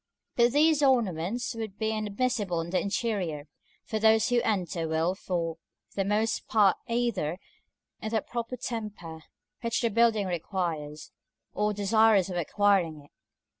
But these ornaments would be inadmissible in the interior, for those who enter will for the most part either be in the proper temper which the building requires, or desirous of acquiring it.